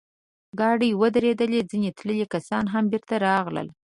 کډې ودرېدې، ځينې تللي کسان هم بېرته راغلل.